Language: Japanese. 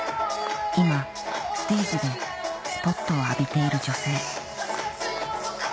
今ステージでスポットを浴びている女性